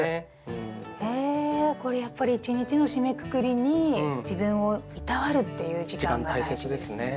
へえこれやっぱり一日の締めくくりに自分をいたわるっていう時間が大事ですね。